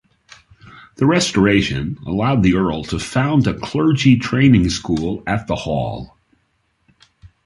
The restoration allowed the earl to found a clergy training school at the hall.